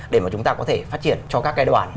ví dụ có chẳng hạn